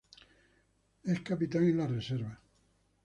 Es capitán en la reserva.